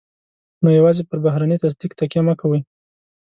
نو يوازې پر بهرني تصديق تکیه مه کوئ.